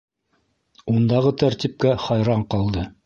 Ундағы тәртипкә хайран ҡалды.